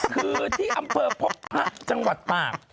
คือที่อำเภอพบพระจังหวัดตาก